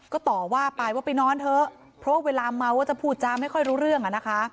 ก็ต่อว่าไปว่าไปนอนเถอะเพราะเวลาเมาก็จะพูดจ้าไม่ค่อยรู้เรื่องอ่ะนะคะ